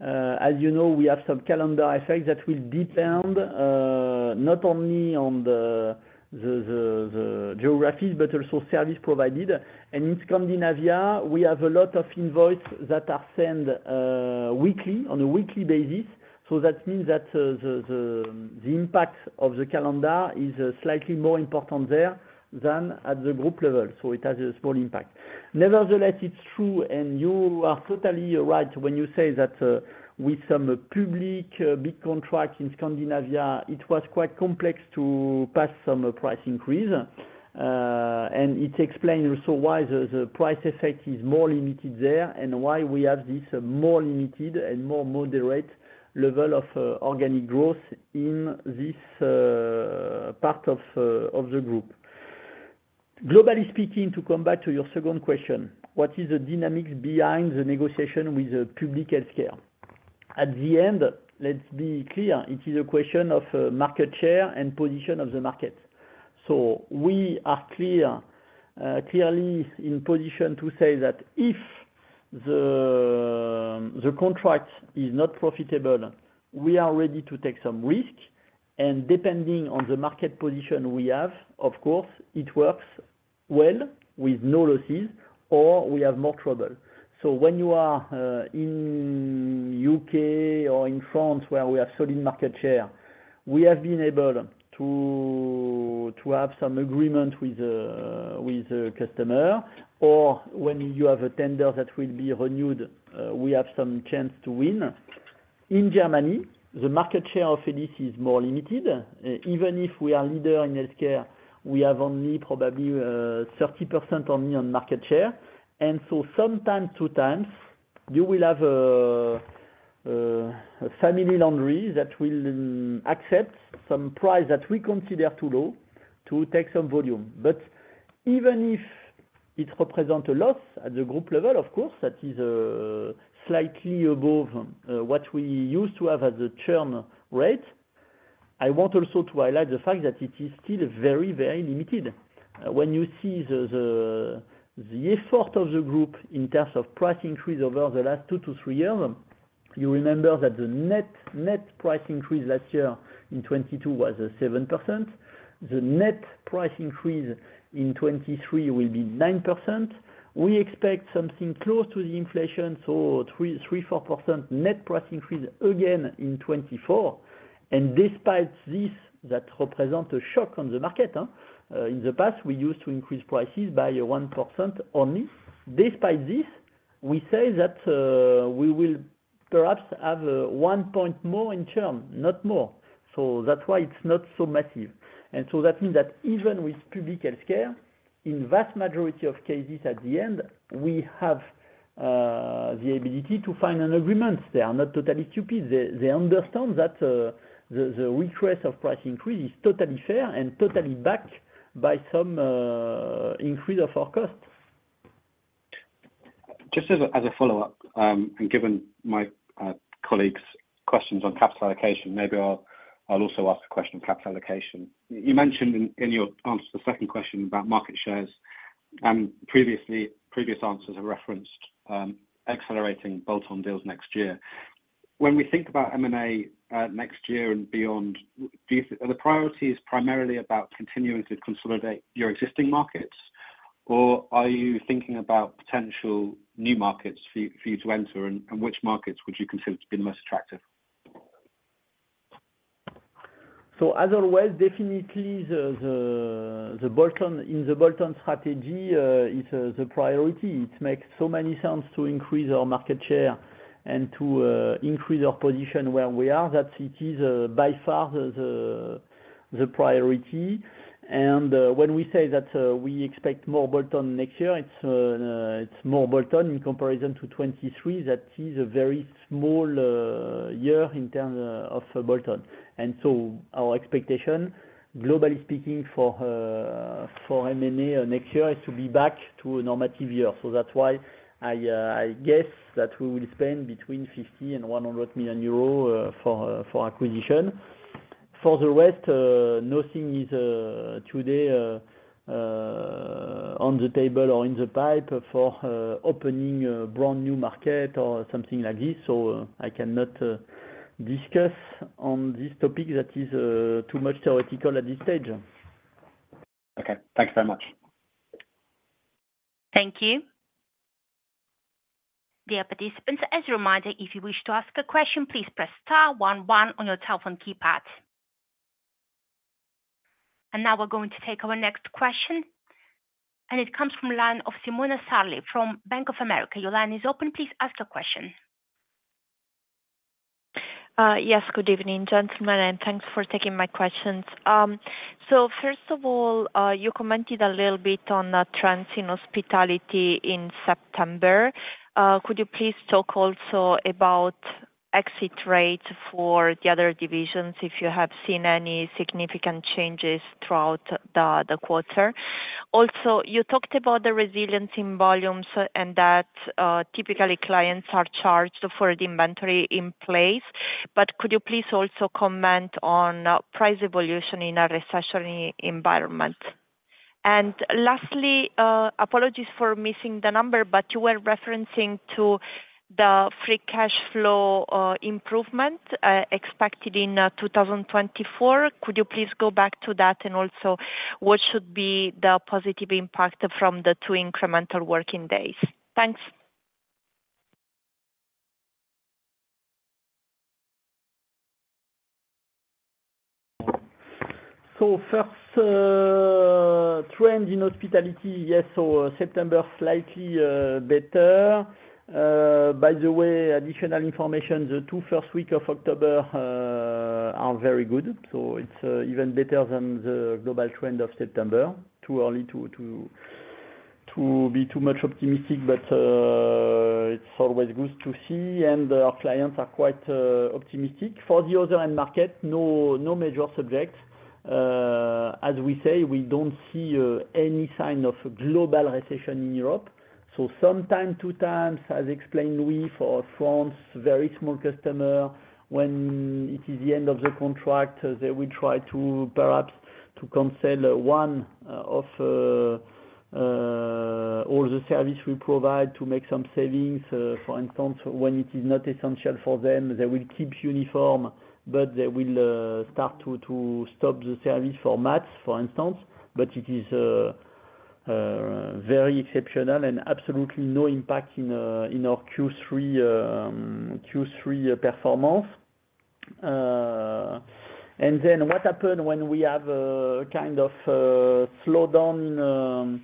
As you know, we have some calendar effects that will depend, not only on the geographies, but also service provided. And in Scandinavia, we have a lot of invoice that are sent, weekly, on a weekly basis. So that means that, the impact of the calendar is, slightly more important there than at the group level, so it has a small impact. Nevertheless, it's true, and you are totally right when you say that, with some public big contract in Scandinavia, it was quite complex to pass some price increase. And it explains also why the price effect is more limited there, and why we have this more limited and more moderate level of organic growth in this part of the group. Globally speaking, to come back to your second question, what is the dynamics behind the negotiation with the public healthcare? At the end, let's be clear, it is a question of market share and position of the market. So we are clear, clearly in position to say that if the contract is not profitable, we are ready to take some risk, and depending on the market position we have, of course, it works well with no losses, or we have more trouble. So when you are in UK or in France, where we have solid market share, we have been able to have some agreement with the customer, or when you have a tender that will be renewed, we have some chance to win. In Germany, the market share of Elis is more limited. Even if we are leader in healthcare, we have only probably 30% only on market share. And so sometimes, 2 times, you will have family laundry that will accept some price that we consider too low to take some volume. But even if it represent a loss at the group level, of course, that is slightly above what we used to have as a churn rate. I want also to highlight the fact that it is still very, very limited. When you see the effort of the group in terms of price increase over the last 2-3 years, you remember that the net price increase last year in 2022 was 7%. The net price increase in 2023 will be 9%. We expect something close to the inflation, so 3%-4% net price increase again in 2024. And despite this, that represent a shock on the market. In the past, we used to increase prices by 1% only. Despite this, we say that we will perhaps have one point more in term, not more. So that's why it's not so massive. And so that means that even with public health care, in vast majority of cases at the end, we have the ability to find an agreement. They are not totally stupid. They understand that the request of price increase is totally fair and totally backed by some increase of our costs. Just as a follow-up, and given my colleague's questions on capital allocation, maybe I'll also ask a question on capital allocation. You mentioned in your answer to the second question about market shares, previous answers have referenced accelerating bolt-on deals next year. When we think about M&A next year and beyond, are the priorities primarily about continuing to consolidate your existing markets, or are you thinking about potential new markets for you to enter, and which markets would you consider to be the most attractive? As always, definitely the bolt-on, in the bolt-on strategy, is the priority. It makes so much sense to increase our market share and to increase our position where we are, that it is by far the priority. When we say that we expect more bolt-on next year, it's more bolt-on in comparison to 2023. That is a very small year in terms of bolt-on. Our expectation, globally speaking, for M&A next year, is to be back to a normative year. That's why I guess that we will spend between 50 million and 100 million euros for acquisition. For the rest, nothing is today on the table or in the pipe for opening a brand-new market or something like this, so I cannot discuss on this topic. That is too much theoretical at this stage. Okay, thanks very much. Thank you. Dear participants, as a reminder, if you wish to ask a question, please press star one one on your telephone keypad. And now we're going to take our next question, and it comes from line of Simona Sarli from Bank of America. Your line is open. Please ask your question. Yes, good evening, gentlemen, and thanks for taking my questions. So first of all, you commented a little bit on the trends in hospitality in September. Could you please talk also about exit rates for the other divisions, if you have seen any significant changes throughout the quarter? Also, you talked about the resilience in volumes and that typically, clients are charged for the inventory in place, but could you please also comment on price evolution in a recessionary environment? And lastly, apologies for missing the number, but you were referencing to the free cash flow improvement expected in 2024. Could you please go back to that? And also, what should be the positive impact from the two incremental working days? Thanks. First, trend in hospitality, yes, September, slightly better. By the way, additional information, the first two weeks of October are very good. It's even better than the global trend of September. Too early to be too much optimistic, but it's always good to see, and our clients are quite optimistic. For the other end market, no major subjects. As we say, we don't see any sign of global recession in Europe. Sometimes, as explained, for France, very small customer, when it is the end of the contract, they will try to, perhaps, to cancel one of all the service we provide to make some savings. For instance, when it is not essential for them, they will keep uniform, but they will start to stop the service for mats, for instance. But it is very exceptional and absolutely no impact in our Q3 performance. And then what happen when we have kind of slowdown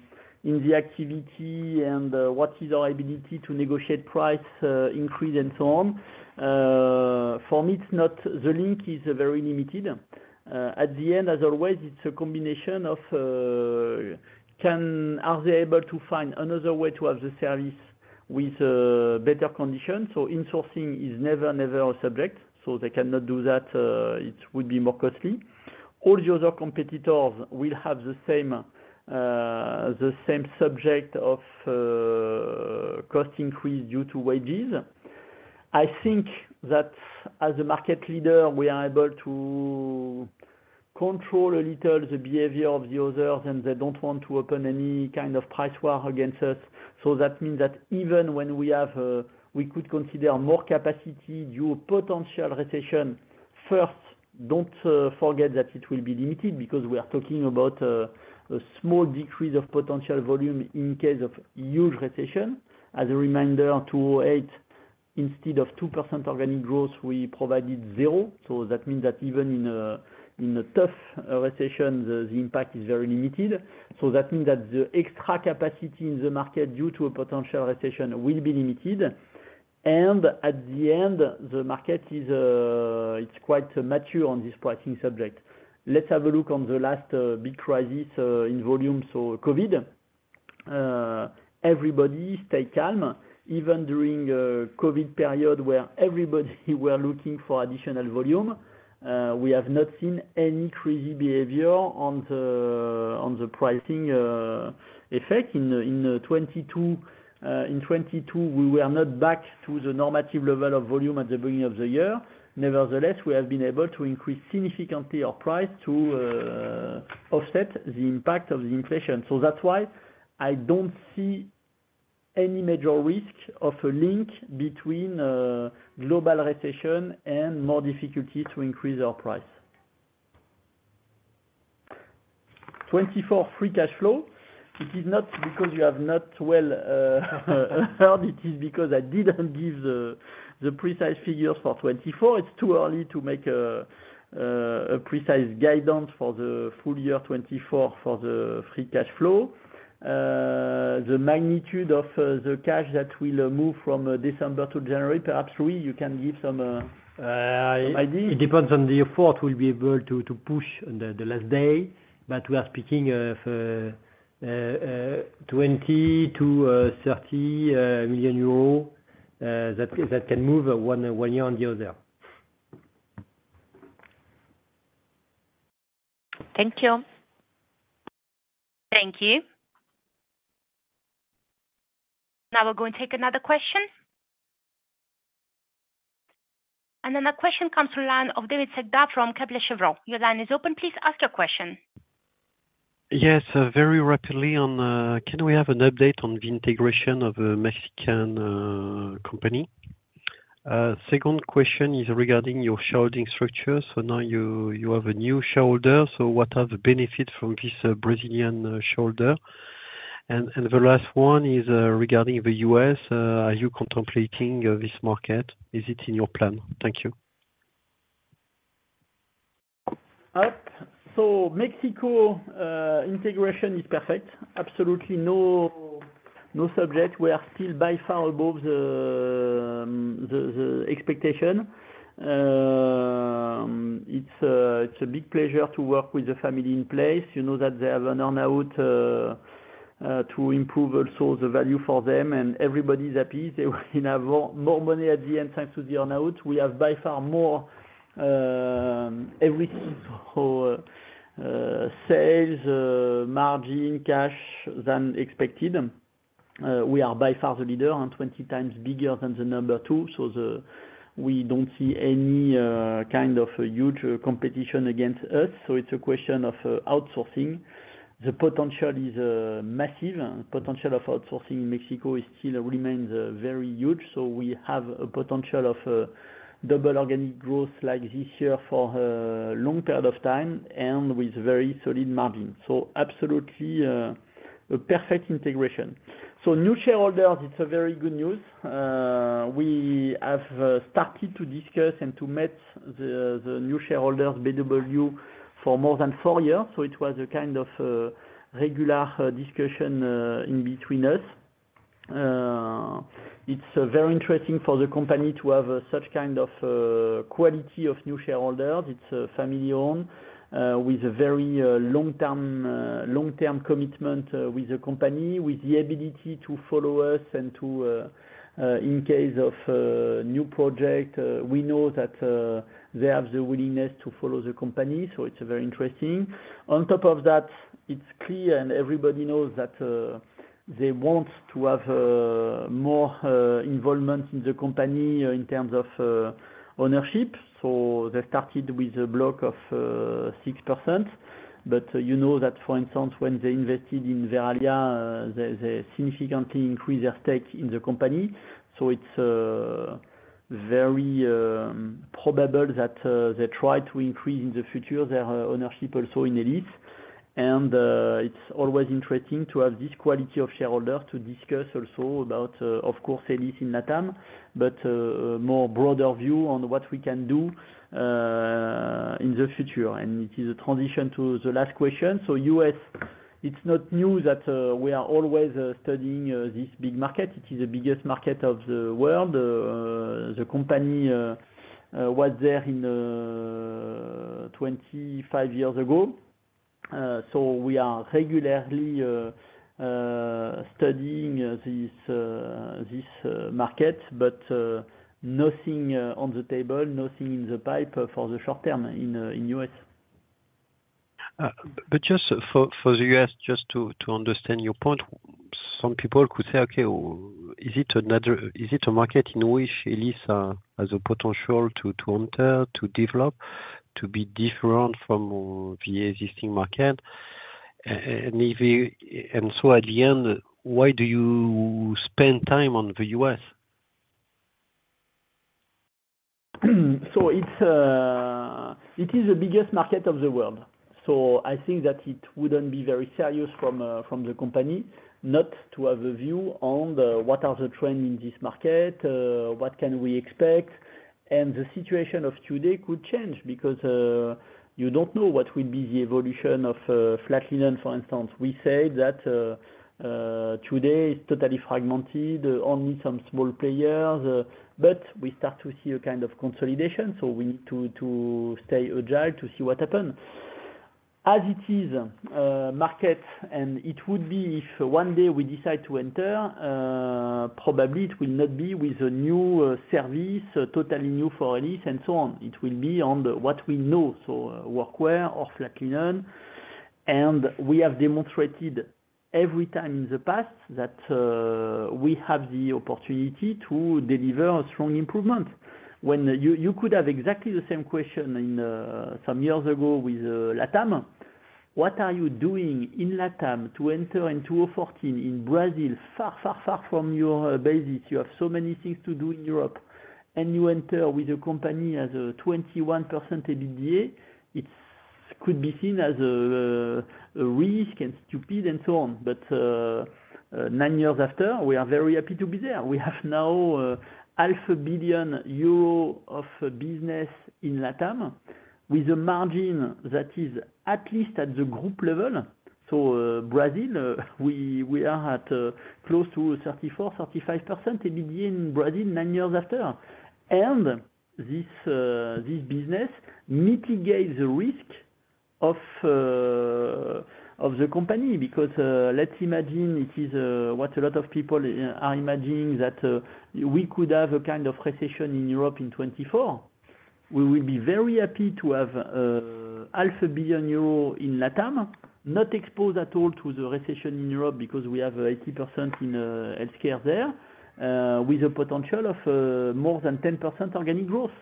in the activity, and what is our ability to negotiate price increase and so on? For me, it's not; the link is very limited. At the end, as always, it's a combination of are they able to find another way to have the service with better conditions? So insourcing is never, never a subject, so they cannot do that; it would be more costly. All the other competitors will have the same, the same subject of, cost increase due to wages. I think that as a market leader, we are able to control a little, the behavior of the others, and they don't want to open any kind of price war against us. So that means that even when we have, we could consider more capacity due potential recession, first, don't forget that it will be limited because we are talking about, a small decrease of potential volume in case of huge recession. As a reminder, 8%, instead of 2% organic growth, we provided zero. So that means that even in a, in a tough, recession, the, the impact is very limited. So that means that the extra capacity in the market, due to a potential recession, will be limited. At the end, the market is, it's quite mature on this pricing subject. Let's have a look on the last big crisis in volume, so COVID. Everybody stay calm, even during COVID period, where everybody were looking for additional volume, we have not seen any crazy behavior on the pricing effect. In 2022, in 2022, we were not back to the normative level of volume at the beginning of the year. Nevertheless, we have been able to increase significantly our price to offset the impact of the inflation. So that's why I don't see any major risk of a link between global recession and more difficulty to increase our price. 2024 free cash flow. It is not because you have not well heard, it is because I didn't give the precise figures for 2024. It's too early to make a precise guidance for the full year 2024, for the free cash flow. The magnitude of the cash that will move from December to January, perhaps Louis, you can give some idea. It depends on the effort we'll be able to push on the last day, but we are speaking of 20-30 million euros that can move one year on the other. Thank you. Thank you. Now we're going to take another question. And then the question comes from line of David Cerdan, from Kepler Cheuvreux. Your line is open, please ask your question. Yes, very rapidly on, can we have an update on the integration of the Mexican company? Second question is regarding your shareholding structure. So now you, you have a new shareholder, so what are the benefits from this Brazilian shareholder? And, and the last one is, regarding the U.S., are you contemplating this market? Is it in your plan? Thank you. Mexico, integration is perfect. Absolutely no, no subject. We are still by far above the expectation. It's a big pleasure to work with the family in place. You know, that they have an earn-out to improve also the value for them, and everybody's happy. They will have more, more money at the end, thanks to the earn-out. We have by far more, everything, so sales, margin, cash, than expected. We are by far the leader and 20 times bigger than the number two, so we don't see any kind of a huge competition against us. It's a question of outsourcing. The potential is massive. Potential of outsourcing in Mexico is still remains very huge, so we have a potential of double organic growth like this year for a long period of time, and with very solid margin. So absolutely a perfect integration. So new shareholders, it's a very good news. We have started to discuss and to meet the new shareholders, BW, for more than four years, so it was a kind of regular discussion in between us. It's very interesting for the company to have such kind of quality of new shareholder. It's a family-owned with a very long-term commitment with the company, with the ability to follow us and to in case of new project we know that they have the willingness to follow the company, so it's very interesting. On top of that, it's clear, and everybody knows that, they want to have more involvement in the company in terms of ownership. So they started with a block of 6%, but you know that, for instance, when they invested in Verallia, they significantly increased their stake in the company. So it's very probable that they try to increase in the future, their ownership also in Elis. And it's always interesting to have this quality of shareholder to discuss also about, of course, Elis in LATAM, but a more broader view on what we can do in the future, and it is a transition to the last question. So U.S., it's not new that we are always studying this big market. It is the biggest market of the world. The company was there 25 years ago. So we are regularly studying this market, but nothing on the table, nothing in the pipe for the short term in U.S. But just for the U.S., just to understand your point, some people could say, "Okay, is it another—is it a market in which Elis has a potential to enter, to develop, to be different from the existing market? And if you—and so at the end, why do you spend time on the U.S.? So it's... It is the biggest market of the world, so I think that it wouldn't be very serious from the company not to have a view on the, what are the trend in this market, what can we expect? The situation of today could change because you don't know what will be the evolution of flat linen, for instance. We said that today is totally fragmented, only some small players, but we start to see a kind of consolidation, so we need to stay agile to see what happens. As it is market, and it would be, if one day we decide to enter, probably it will not be with a new service, totally new for Elis and so on. It will be on the what we know, so workwear or flat linen. We have demonstrated every time in the past that we have the opportunity to deliver a strong improvement. When you could have exactly the same question some years ago with LATAM. What are you doing in LATAM to enter in 2014 in Brazil, far, far, far from your basis? You have so many things to do in Europe, and you enter with a company as a 21% EBITDA. It could be seen as a risk and stupid and so on. But nine years after, we are very happy to be there. We have now 500 million euro of business in LATAM, with a margin that is at least at the group level. So, Brazil, we are at close to 34%-35% EBITDA in Brazil, nine years after. And this business mitigates the risk of the company, because let's imagine it is what a lot of people are imagining, that we could have a kind of recession in Europe in 2024. We will be very happy to have 500 million euro in LATAM, not exposed at all to the recession in Europe, because we have 80% in healthcare there, with a potential of more than 10% organic growth.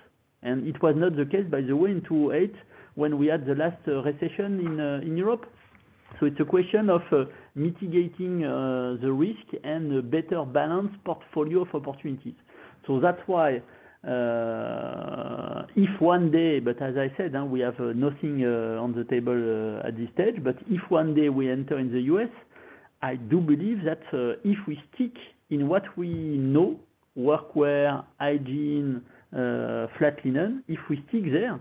And it was not the case, by the way, in 2008, when we had the last recession in Europe. So it's a question of mitigating the risk and a better balanced portfolio of opportunities. So that's why, if one day... But as I said, we have nothing on the table at this stage. But if one day we enter in the U.S., I do believe that, if we stick in what we know, workwear, hygiene, flat linen, if we stick there,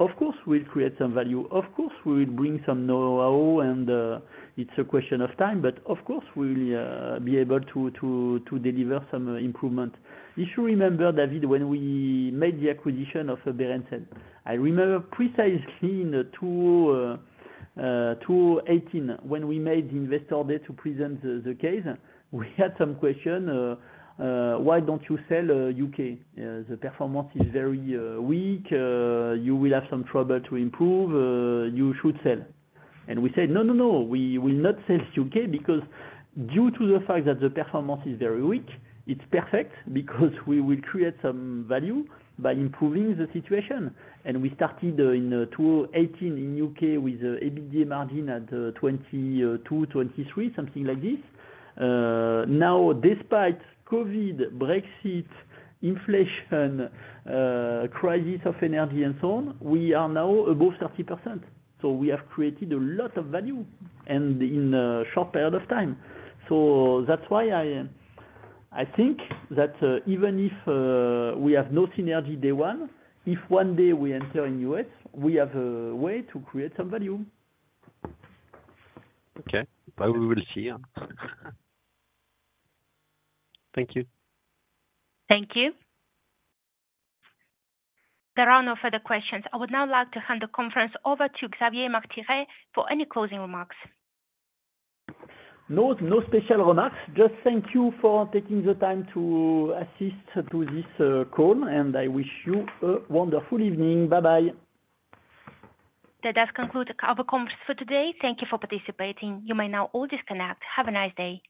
of course, we'll create some value. Of course, we will bring some know-how, and, it's a question of time, but of course, we will be able to deliver some improvement. If you remember, David, when we made the acquisition of Berendsen, I remember precisely in 2018, when we made the investor day to present the case, we had some questions. "Why don't you sell U.K.? The performance is very weak. You will have some trouble to improve. You should sell." And we said, "No, no, no, we will not sell UK, because due to the fact that the performance is very weak, it's perfect because we will create some value by improving the situation." And we started in 2018, in UK, with EBITDA margin at 22-23, something like this. Now, despite COVID, Brexit, inflation, crisis of energy and so on, we are now above 30%. So we have created a lot of value and in a short period of time. So that's why I think that even if we have no synergy, day one, if one day we enter in US, we have a way to create some value. Okay. But we will see. Thank you. Thank you. There are no further questions. I would now like to hand the conference over to Xavier Martiré for any closing remarks. No, no special remarks. Just thank you for taking the time to assist to this call, and I wish you a wonderful evening. Bye-bye. That does conclude our conference for today. Thank you for participating. You may now all disconnect. Have a nice day.